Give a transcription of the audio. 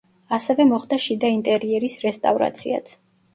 ასევე მოხდა შიდა ინტერიერის რესტავრაციაც.